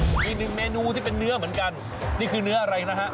อีกหนึ่งเมนูที่เป็นเนื้อเหมือนกันนี่คือเนื้ออะไรนะฮะ